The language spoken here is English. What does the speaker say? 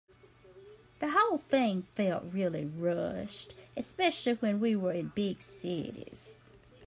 The whole thing felt really rushed, especially when we were in big cities.